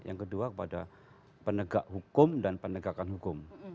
yang kedua kepada penegak hukum dan penegakan hukum